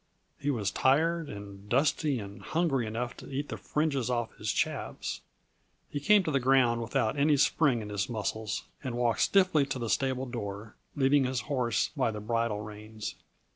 He was tired and dusty and hungry enough to eat the fringes off his chaps. He came to the ground without any spring to his muscles and walked stiffly to the stable door, leading his horse by the bridle reins.